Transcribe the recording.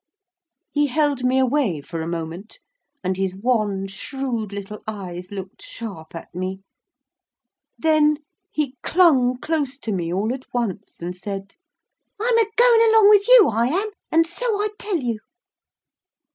He held me away for a moment, and his wan, shrewd little eyes looked sharp at me. Then he clung close to me all at once, and said: "I'm a going along with you, I am—and so I tell you!"